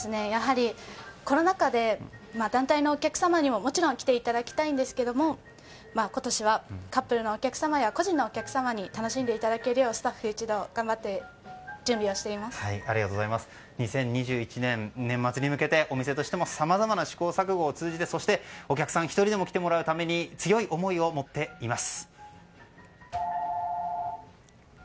コロナ禍で団体のお客様にももちろん来ていただきたいんですが今年は、カップルのお客様や個人のお客様に楽しんでいただけるようスタッフ一同２０２１年、年末に向けてお店としてもさまざまな試行錯誤を通じてお客さんに１人でも来てもらうために強い思いを持っています。